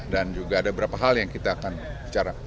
dan juga ada beberapa hal yang kita akan bicara